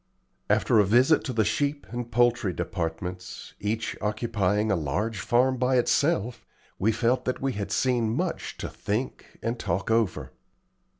After a visit to the sheep and poultry departments, each occupying a large farm by itself, we felt that we had seen much to think and talk over.